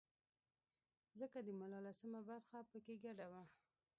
ځکه د ملا لسمه برخه په کې ګډه وه.